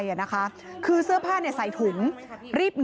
ปี๖๕วันเกิดปี๖๔ไปร่วมงานเช่นเดียวกัน